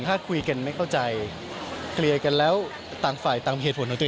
ถ้าคุยกันไม่เข้าใจเคลียร์กันแล้วต่างฝ่ายต่างเหตุผลของตัวเอง